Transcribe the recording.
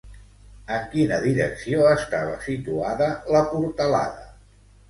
En quina direcció estava situada la portalada?